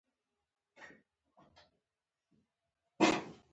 ازادي راډیو د ترانسپورټ د نړیوالو نهادونو دریځ شریک کړی.